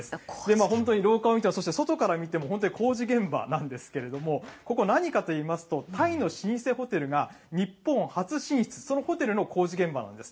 今、本当に廊下を見ても、そして外から見ても、本当に工事現場なんですけれども、ここ、何かといいますと、タイの老舗ホテルが、日本初進出、そのホテルの工事現場なんです。